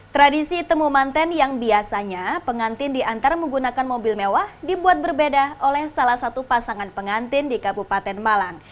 tradisi temu mantan yang biasanya pengantin diantar menggunakan mobil mewah dibuat berbeda oleh salah satu pasangan pengantin di kabupaten malang